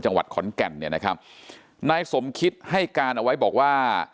จังหวัดขอนแก่นเนี่ยนะครับนายสมคิตให้การเอาไว้บอกว่า